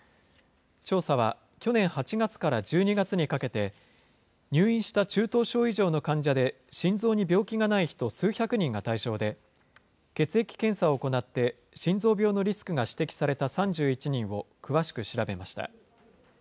調査は去年８月から１２月にかけて、入院した中等症以上の患者で、心臓に病気がない人数百人が対象で、血液検査を行って心臓病のリスクが指摘された３１人を詳しく調べました。